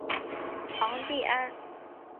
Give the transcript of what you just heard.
昂蒂安。